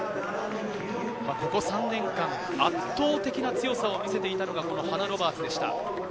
ここ３年間、圧倒的な強さを見せていたのがこのハナ・ロバーツでした。